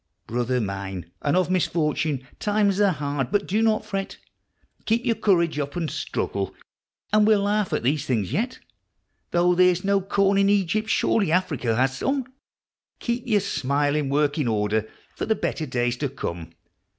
Brother mine, and of misfortune ! times are hard, but do not fret, Keep your courage up and struggle, and we'll laugh at these things yet. Though there is no corn in Egypt, surely Africa has some Keep your smile in working order for the better days to come